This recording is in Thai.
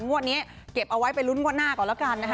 งวดนี้เก็บเอาไว้ไปลุ้นงวดหน้าก่อนแล้วกันนะคะ